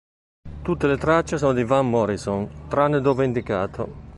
Tutte le tracce sono di Van Morrison tranne dove indicato.